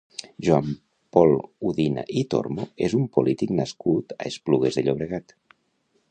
Joan-Paül Udina i Tormo és un polític nascut a Esplugues de Llobregat.